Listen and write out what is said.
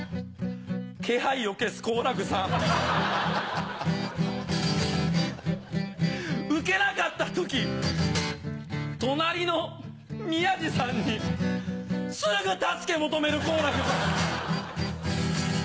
気配を消す好楽さんウケなかった時隣の宮治さんにすぐ助け求める好楽さん